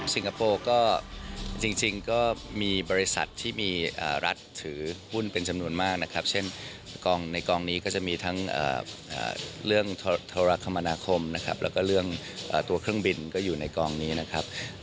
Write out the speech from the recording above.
คโปร์ก็จริงก็มีบริษัทที่มีรัฐถือหุ้นเป็นจำนวนมากนะครับเช่นในกองนี้ก็จะมีทั้งเรื่องโทรคมนาคมนะครับแล้วก็เรื่องตัวเครื่องบินก็อยู่ในกองนี้นะครับ